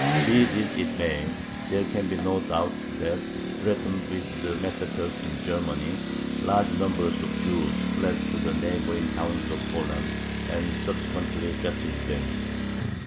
Be this as it may, there can be no doubt that, threatened with massacres in Germany, large numbers of Jews fled to the neighboring towns of Poland, and subsequently settled there.